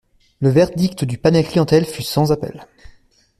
Le verdict du panel clientèle fut sans appel.